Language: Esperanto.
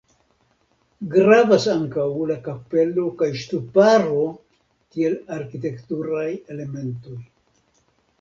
Gravas ankaŭ la kapelo kaj ŝtuparo kiel arkitekturaj elementoj.